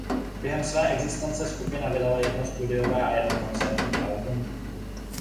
Během své existence skupina vydala jedno studiové a jedno koncertní album.